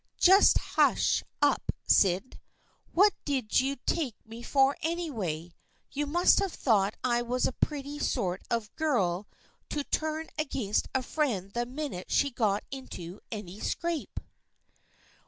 " Just hush up, Syd ! What did you take me for, anyway ? You must have thought I was a pretty sort of a girl to turn against a friend the minute she got into any scrape.